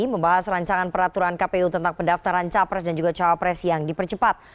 membahas rancangan peraturan kpu tentang pendaftaran capres dan juga cawapres yang dipercepat